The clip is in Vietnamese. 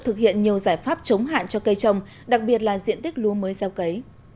thực hiện nhiều giải pháp chống hạn cho cây trồng đặc biệt là diện tích lúa mới gieo cấy